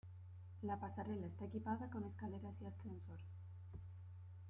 La pasarela está equipada con escaleras y ascensor.